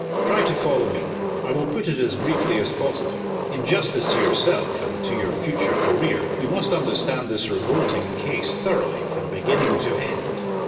Try to follow me. I will put it as briefly as possible. In justice to yourself, and to your future career, you must understand this revolting case thoroughly, from beginning to end."